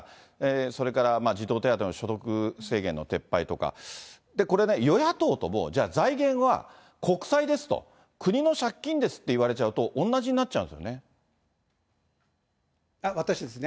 それから児童手当の所得制限の撤廃とか、これね、与野党とも財源は国債ですと、国の借金ですって言われちゃうと、同じになっちゃうんですよね。